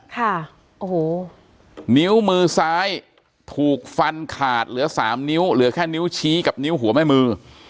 ค่ะโอ้โหนิ้วมือซ้ายถูกฟันขาดเหลือสามนิ้วเหลือแค่นิ้วชี้กับนิ้วหัวแม่มือ